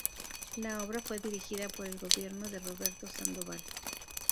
La obra fue dirigida por el gobierno de Roberto Sandoval.